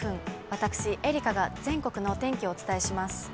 私、愛花が全国のお天気をお伝えします。